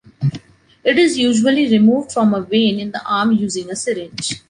It is usually removed from a vein in the arm using a syringe.